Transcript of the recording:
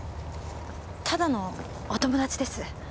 ただのお友達です。